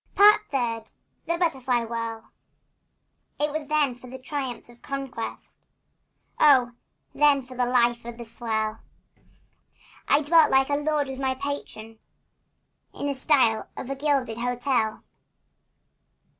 Part Third. THE BUTTERFLY WHIRL. It was then for the triumphs of conquest! Oh, then for the life of the swell! I dwelt like a lord with my patron In a suite of a gilded hotel.